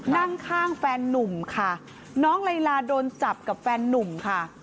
นั่งข้างแฟนนุ่มค่ะน้องไลลาโดนจับกับแฟนนุ่มค่ะ